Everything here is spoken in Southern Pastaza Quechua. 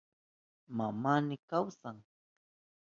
Mamayni kawsan.